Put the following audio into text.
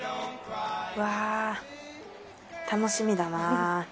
わぁ楽しみだな。